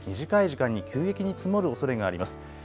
短い時間に急激に積もるおそれがあります。